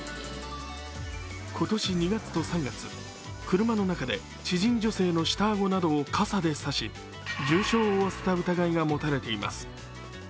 今年２月と３月、車の中で知人女性の下あごなどを傘で刺し重傷を負わせた疑いが持たれています。